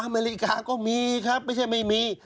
อเมริกาก็มีครับไม่ใช่ไม่มี